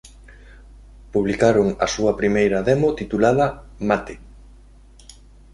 Publicaron a súa primeira demo titulada "Mate.